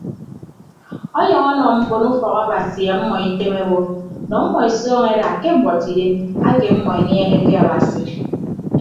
Ọnyʌñ ọnọ mbon ufọk abasi ọmọ item obo nọ ọmmọ esọọñọ eda ke mbuọtidem ake ọmmọ eniehe ke abasi.